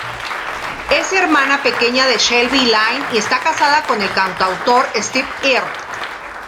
Es hermana pequeña de Shelby Lynne y está casada con el cantautor Steve Earle.